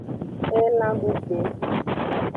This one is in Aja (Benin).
Elan dugbe.